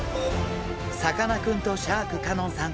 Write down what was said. さかなクンとシャーク香音さん